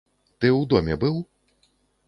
Ты ў доме быў?